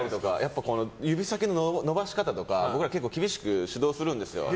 指先の伸ばし方とか僕ら結構厳しく指導するんですよ。